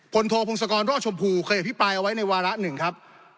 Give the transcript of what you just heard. พลโทพงศกรรณ์รอชมพูเคยพิปรายเอาไว้ในวาระ๑ครับ